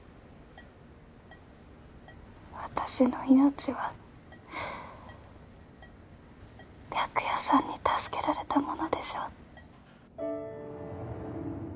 私の命は白夜さんに助けられたものでしょ？